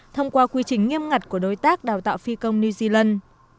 thông qua quy trình nghiêm ngặt của đối tác đào tạo phi công new zealand